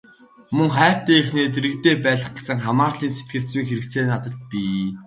Мөн хайртай эхнэрээ дэргэдээ байлгах гэсэн хамаарлын сэтгэлзүйн хэрэгцээ надад бий.